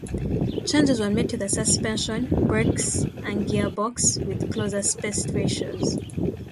Changes were made to the suspension, brakes and gearbox, with closer-spaced ratios.